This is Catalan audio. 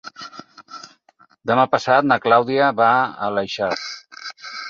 Demà passat na Clàudia va a l'Aleixar.